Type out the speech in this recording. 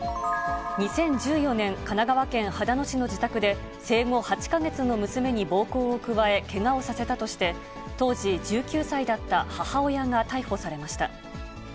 ２０１４年、神奈川県秦野市の自宅で、生後８か月の娘に暴行を加え、けがをさせたとして、当時１９歳だった母親が逮捕されました。